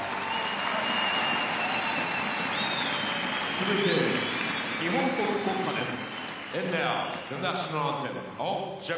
続いて、日本国国歌です。